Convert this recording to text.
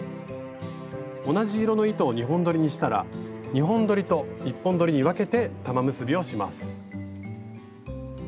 同じ色の糸を２本どりにしたら２本どりと１本どりに分けて玉結びをします。